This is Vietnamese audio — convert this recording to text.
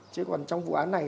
chứ còn trong vụ án này